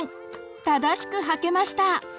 正しくはけました。